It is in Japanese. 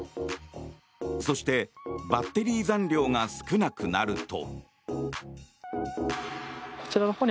そして、バッテリー残量が少なくなると。